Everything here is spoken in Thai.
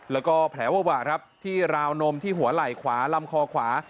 แล้วก็แผลเวอะวะครับที่ราวนมที่หัวไหล่ขวาลำคอขวา